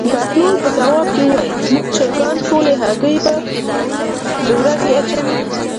بهلول په ځواب کې وویل: زموږ چرګان ټولې هګۍ د ورځې اچوي.